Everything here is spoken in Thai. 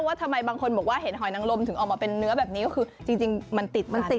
ว่าทำไมบางคนบอกว่าเห็นหอยนังรมถึงออกมาเป็นเนื้อแบบนี้